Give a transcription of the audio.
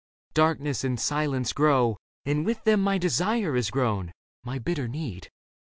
Darkness and silence grow, And with them my desire has grown, My bitter need.